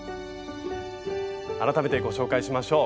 改めてご紹介しましょう。